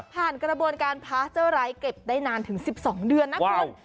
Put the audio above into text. กระบวนการพาเจ้าไร้เก็บได้นานถึง๑๒เดือนนะคุณ